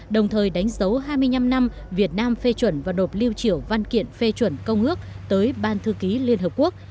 đồng thời đánh dấu hai mươi năm năm việt nam phê chuẩn và đột liêu triểu văn kiện phê chuẩn công ước tới ban thư ký liên hợp quốc